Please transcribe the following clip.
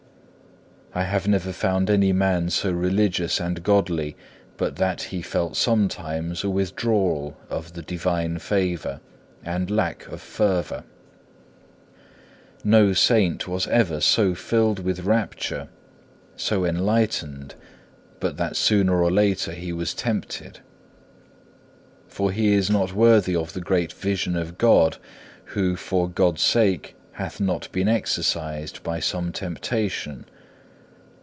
7. I have never found any man so religious and godly, but that he felt sometimes a withdrawal of the divine favour, and lack of fervour. No saint was ever so filled with rapture, so enlightened, but that sooner or later he was tempted. For he is not worthy of the great vision of God, who, for God's sake, hath not been exercised by some temptation.